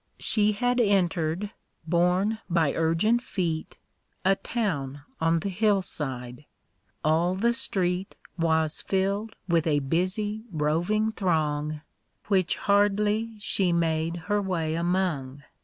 She had entered, borne by urgent feet, A town on the hill '^i'l'' All flu* street 32 THE baby's things. Was filled with a busy, roving throng, Which hardly she made her way among.